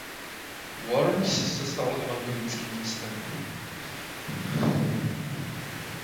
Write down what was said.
Worms se stal evangelickým městem.